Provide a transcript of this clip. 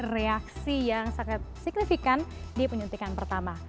jadi reaksi yang sangat signifikan di penyuntikan pertama